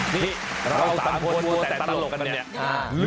นี่เราสามโพสต์โพสต์แต่ตลกกันนี่